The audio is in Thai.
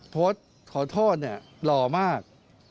โพสต์ขอโทษรอมาก